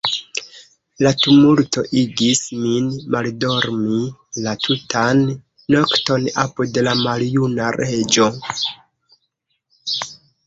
La tumulto igis min maldormi la tutan nokton apud la maljuna Reĝo.